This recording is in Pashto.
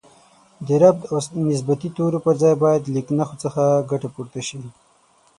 د ربط او نسبتي تورو پر ځای باید د لیکنښو څخه ګټه پورته شي